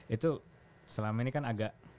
itu selama ini kan agak